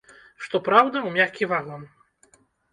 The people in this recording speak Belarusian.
Што праўда, у мяккі вагон.